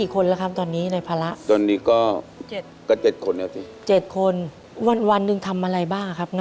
วันให้ไม่มีงานแปรรูปไม้รึตัดไม้ก็